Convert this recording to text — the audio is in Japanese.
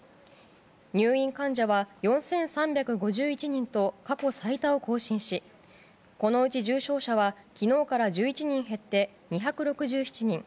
入院患者は４３５１人と過去最多を更新しこのうち重症者は昨日から１１人減って２６７人。